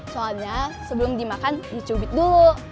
soalnya sebelum dimakan dicubit dulu